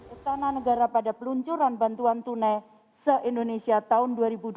istana negara pada peluncuran bantuan tunai se indonesia tahun dua ribu dua puluh